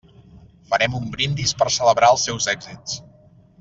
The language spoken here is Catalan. Farem un brindis per celebrar els seus èxits.